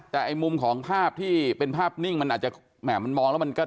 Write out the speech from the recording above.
แต่ไอ้มุมของภาพที่เป็นภาพนิ่งมันอาจจะแหม่มันมองแล้วมันก็